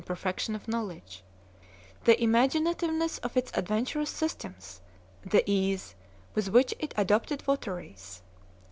perfection of knowledge, the imaginativeness of its adven turous systems, the ease with which it adopted votaries.